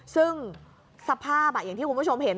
ซึ่งสภาพอย่างที่คุณผู้ชมเห็น